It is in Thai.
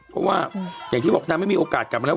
เพราะว่าอย่างที่บอกนางไม่มีโอกาสกลับมาแล้ว